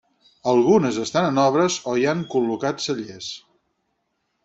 Algunes estan en obres o hi han col·locat cellers.